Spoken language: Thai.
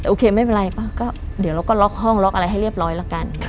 โอเคไม่เป็นไรป่ะก็เดี๋ยวเราก็ล็อกห้องล็อกอะไรให้เรียบร้อยแล้วกัน